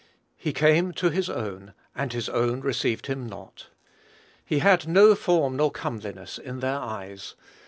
"He came to his own, and his own received him not." He had "no form nor comeliness in their eyes."